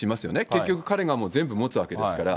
結局彼がもう全部持つわけですから。